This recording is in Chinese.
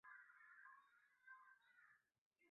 他逝世后国内各地城市都举行了大规模的追悼会。